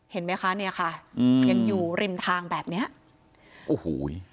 เห็นไหมคะเนี่ยค่ะอืมยังอยู่ริมทางแบบเนี้ยโอ้โห